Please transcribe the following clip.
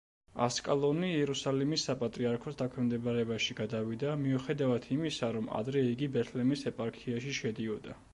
ასკალონი იერუსალიმის საპატრიარქოს დაქვემდებარებაში გადავიდა, მიუხედავად იმისა, რომ ადრე იგი ბეთლემის ეპარქიაში შედიოდა.